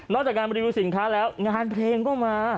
จากการรีวิวสินค้าแล้วงานเพลงก็มา